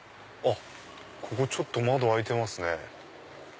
ここちょっと窓開いてますね。